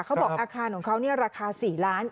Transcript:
เขาบอกอาคารของเขาราคา๔ล้าน